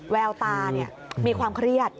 แววตามีความเครียด